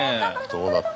どうなった？